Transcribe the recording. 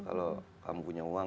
kalau kamu punya uang